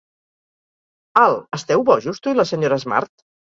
Al, esteu bojos tu i la Sra. Smart?